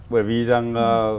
bởi vì rằng